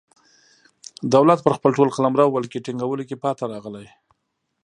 دولت پر خپل ټول قلمرو ولکې ټینګولو کې پاتې راغلی.